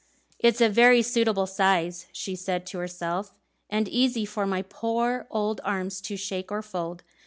"It's a very suitable size," she said to herself, "and easy for my poor old arms to shake or fold.